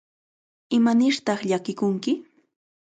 ¿Imanirtaq llakikunki?